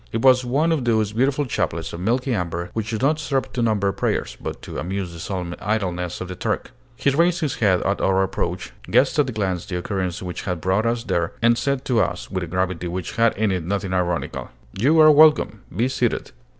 It was one of those beautiful chaplets of milky amber which do not serve to number prayers, but to amuse the solemn idleness of the Turk. He raised his head at our approach, guessed at a glance the occurrence which had brought us there, and said to us, with a gravity which had in it nothing ironical, "You are welcome! Be seated."